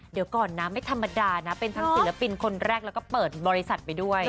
เดี๋ยวก่อนนะไม่ธรรมดานะเป็นทั้งศิลปินคนแรกแล้วก็เปิดบริษัทไปด้วย